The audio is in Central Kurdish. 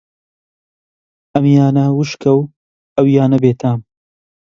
ئەمیانە وشکە و ئەویانە بێتام